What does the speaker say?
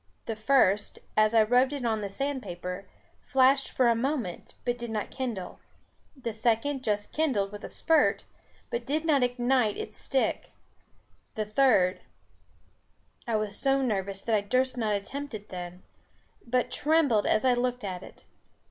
The first, as I rubbed it on the sandpaper, flashed for a moment, but did not kindle; the second just kindled with a sputter, but did not ignite its stick: the third I was so nervous that I durst not attempt it then; but trembled as I looked at it.